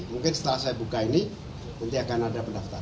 mungkin setelah saya buka ini nanti akan ada pendaftaran